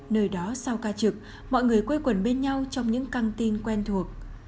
nơi đó sau ca trực mọi người quây quần bên nhau trong những canteen quen thuộc